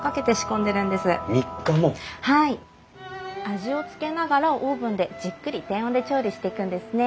味をつけながらオーブンでじっくり低温で調理していくんですね。